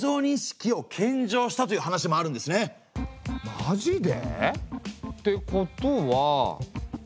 マジで？ってことは。